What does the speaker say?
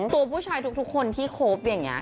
ตัวผู้ชายทุกคนที่คบอย่างนี้